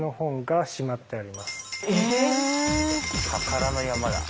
宝の山だ。